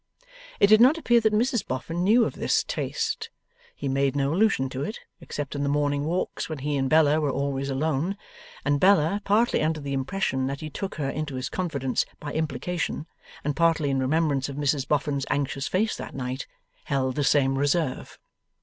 It did not appear that Mrs Boffin knew of this taste. He made no allusion to it, except in the morning walks when he and Bella were always alone; and Bella, partly under the impression that he took her into his confidence by implication, and partly in remembrance of Mrs Boffin's anxious face that night, held the same reserve.